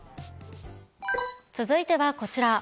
続いてはこちら。